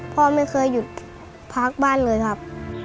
เป้องานพ่อไม่เคยหยุดพักบ้านเลยครับ